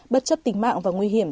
bất chấp tình mạng và nguy hiểm